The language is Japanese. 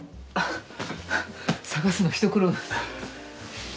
捜すの一苦労だ。